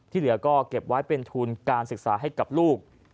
เหลือก็เก็บไว้เป็นทุนการศึกษาให้กับลูก